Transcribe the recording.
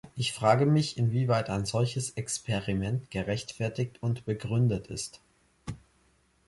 Ich frage mich, inwieweit ein solches Experiment gerechtfertigt und begründet ist.